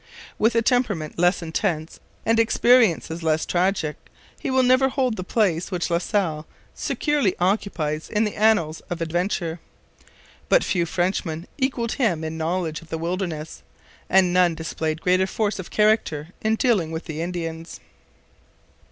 With a temperament less intense and experiences less tragic, he will never hold the place which La Salle securely occupies in the annals of adventure. But few Frenchmen equalled him in knowledge of the wilderness, and none displayed greater force of character in dealing with the Indians.